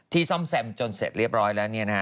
ซ่อมแซมจนเสร็จเรียบร้อยแล้ว